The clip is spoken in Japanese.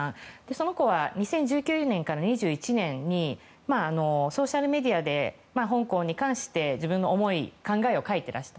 その子は２０１９年から２１年にソーシャルメディアで香港に関して自分の思い考えを書いてらして。